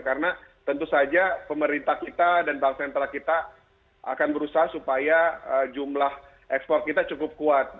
karena tentu saja pemerintah kita dan bank sentral kita akan berusaha supaya jumlah ekspor kita cukup kuat